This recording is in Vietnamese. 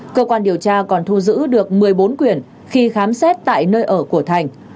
cơ quan điều tra còn thu giữ được một mươi bốn quyển khi khám xét tại nơi ở của thành